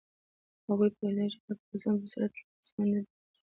هغوی پوهېدل چې د پاڅون په صورت کې پوځ منډلینډ ته لېږي.